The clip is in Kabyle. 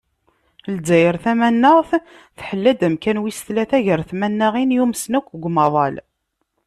Lezzayer tamanaɣt tḥella-d amkan wis tlata gar tmanaɣin yumsen akk deg umaḍal.